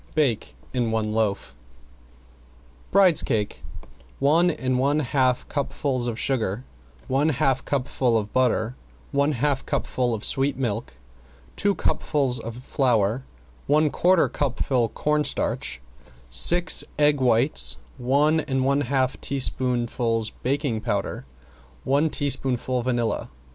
Bake in one loaf. ~BRIDE'S CAKE ~One and one half cupfuls of sugar, one half cupful of butter, one half cupful of sweet milk, two cupfuls of flour, one quarter cupful cornstarch, six egg whites, one and one half teaspoonfuls baking powder, one teaspoonful vanilla.